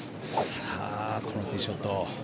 さあ、このティーショット。